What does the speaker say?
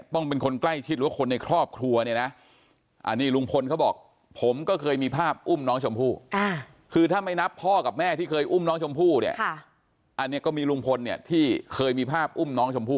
ก็เคยให้สำแพทย์ว่าป้าตันก็เคยอุ้ม